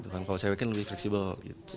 kalau cewek kan lebih fleksibel